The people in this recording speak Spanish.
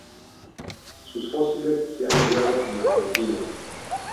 Sus fósiles se han hallado en Argentina.